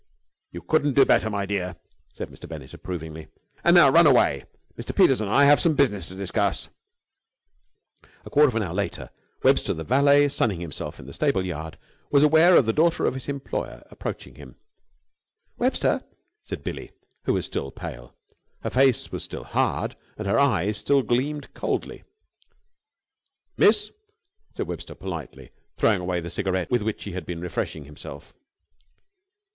"You couldn't do better, my dear," said Mr. Bennett, approvingly. "And now run away. Mr. Peters and I have some business to discuss." A quarter of an hour later, Webster, the valet, sunning himself in the stable yard, was aware of the daughter of his employer approaching him. "Webster," said Billie. She was still pale. Her face was still hard, and her eyes still gleamed coldly. "Miss?" said Webster politely, throwing away the cigarette with which he had been refreshing himself.